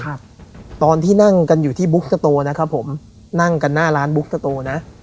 ครับตอนที่นั่งกันอยู่ที่นะครับผมนั่งกันหน้าร้านนะ